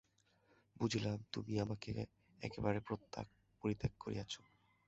বুঝিলাম, তুমি আমাকে একেবারে পরিত্যাগ করিয়াছ।